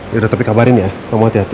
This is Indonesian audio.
yaudah tapi kabarin ya kamu hati hati